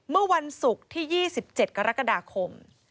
เมื่อวันศุกร์ที่๒๗กรกฎาคม